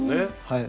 はい。